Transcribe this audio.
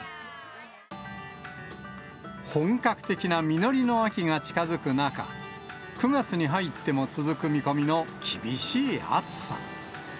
本格的な実りの秋が近づく中、９月に入っても続く見込みの厳しい暑さ。